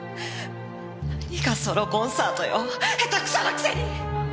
何がソロコンサートよへたくそのくせに！